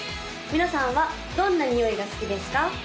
皆さんはどんなにおいが好きですか？